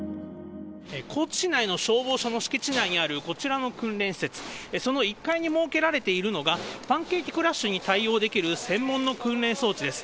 高知市内の消防署の敷地内にあるこちらの訓練施設、その１階に設けられているのが、パンケーキクラッシュに対応できる専門の訓練装置です。